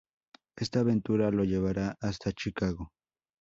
Esta aventura lo llevará hasta Chicago.